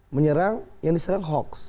menyerang yang diserang hoax